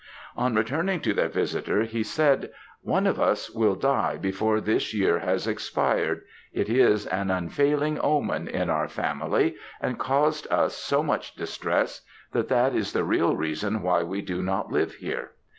"On returning to their visitor, he said 'one of us will die before this year has expired; it is an unfailing omen in our family, and caused us so much distress, that that is the real reason why we do not live here.